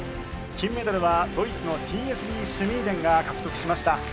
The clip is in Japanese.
金メダルはドイツのＴＳＶシュミーデンが獲得しました。